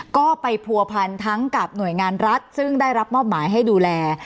ก็ไปผัวพันทั้งกับหน่วยงานรัฐซึ่งได้รับมอบหมายให้ดูแล